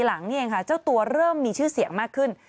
หลังนี่เองค่ะเจ้าตัวเริ่มมีชื่อเสียงมากขึ้น